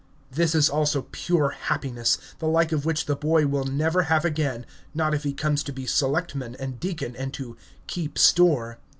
this is also pure happiness, the like of which the boy will never have again, not if he comes to be selectman and deacon and to "keep store."